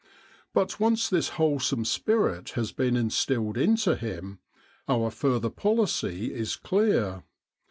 But once this wholesome spirit has been instilled intdiiim, our further policy is clear.